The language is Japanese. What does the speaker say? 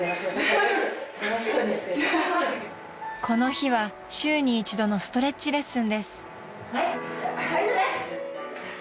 ［この日は週に一度のストレッチレッスンです］